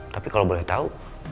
tapi kalau boleh tau